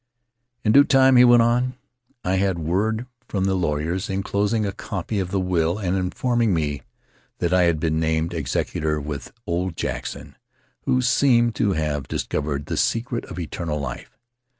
"In due time," he went on, "I had word from the lawyers, inclosing a copy of the will and informing me that I had been named executor with old Jackson, who seemed to have discovered the secret of eternal life.